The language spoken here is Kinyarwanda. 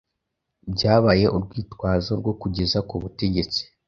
byabaye urwitwazo rwo kugeza ku butegetsi